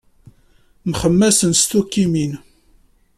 Mxemmasen s tukkimin.